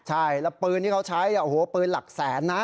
ใช่แล้วปืนที่เขาใช้โอ้โหปืนหลักแสนนะ